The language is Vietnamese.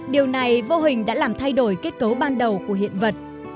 điều này vô hình đã làm thay đổi kết cấu ban đầu của hiện vật